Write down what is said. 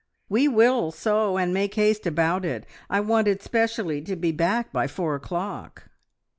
"We will so, and make haste about it. I wanted specially to be back by four o'clock."